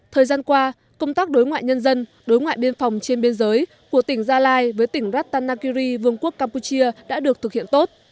thời gian qua công tác đối ngoại nhân dân đối ngoại biên phòng trên biên giới của tỉnh gia lai với tỉnh ratanakiri vương quốc campuchia đã được thực hiện tốt